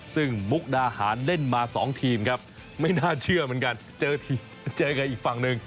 ซึ่งมุกดาหารเล่นมา๒ทีมครับไม่น่าเชื่อเหมือนกันเจอกับอีกฝั่งหนึ่ง